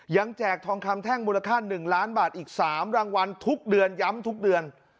แจกทองคำแท่งมูลค่า๑ล้านบาทอีก๓รางวัลทุกเดือนย้ำทุกเดือน